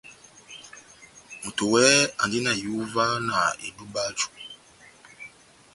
Moto wɛhɛ andi na ihúwa na edub'aju.